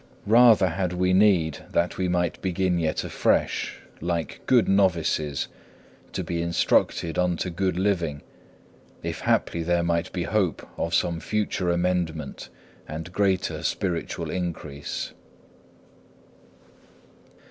Rather had we need that we might begin yet afresh, like good novices, to be instructed unto good living, if haply there might be hope of some future amendment and greater spiritual increase.